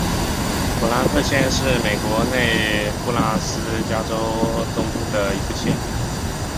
普拉特县是美国内布拉斯加州东部的一个县。